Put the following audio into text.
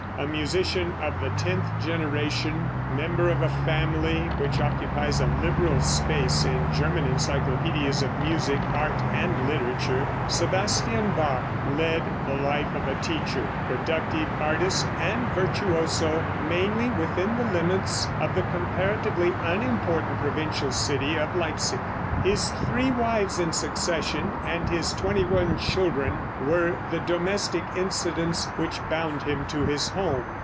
A musician of the tenth generation, member of a family which occupies a liberal space in German encyclopedias of music, art and literature, Sebastian Bach led the life of a teacher, productive artist and virtuoso, mainly within the limits of the comparatively unimportant provincial city of Leipsic. His three wives in succession and his twenty one children were the domestic incidents which bound him to his home.